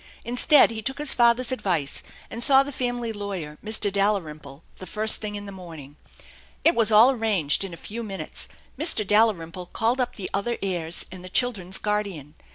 Instead, he took his father'^ advice, and saw the family lawyer, Mr. Dalrymple, the first thing in the morning. It was all arranged in a few minutes. Mr. Dalrymple called up the other heirs and the children's guardian.